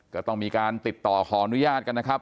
ก็ต้องมีการติดต่อขออนุญาตกันนะครับ